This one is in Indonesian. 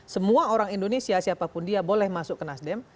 semua orang indonesia siapapun dia boleh masuk ke nasdem